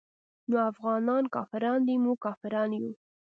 نو افغانان کافران دي موږ کافران يو.